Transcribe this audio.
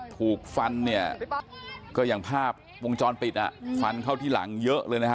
ถูกฟันอย่างภาพวงจรปิดฟันเข้าที่หลังเยอะเลย